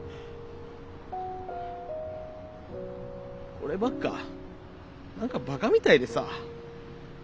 俺ばっか何かバカみたいでさ。